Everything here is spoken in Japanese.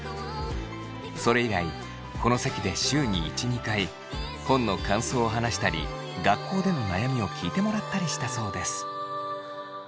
それ以来この席で週に１２回本の感想を話したり学校での悩みを聞いてもらったりしたそうです。